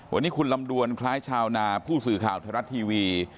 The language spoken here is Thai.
วันนี้คุณลำดวนคล้ายชาวนาผู้สื่อข่าวไทยรัฐทีวี